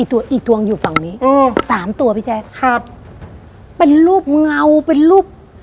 ตัวอีกตัวอยู่ฝั่งนี้โอ้สามตัวพี่แจ๊คครับเป็นรูปเงาเป็นรูป